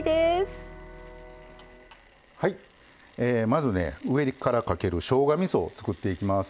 まずね上からかけるしょうがみそを作っていきます。